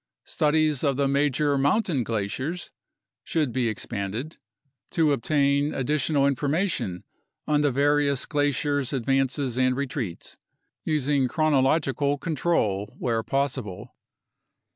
Studies of the major mountain glaciers should be expanded, to ob tain additional information on the various glaciers' advances and re treats, using chronological control where possible.